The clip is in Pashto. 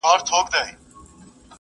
مثبت چلند ستاسو د ژوند لارښود دی.